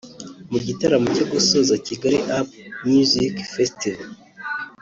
Mu gitaramo cyo gusoza Kigali Up Music Festival